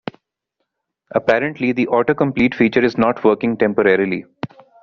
Apparently, the autocomplete feature is not working temporarily.